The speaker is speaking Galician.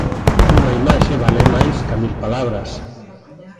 Unha imaxe vale máis ca mil palabras.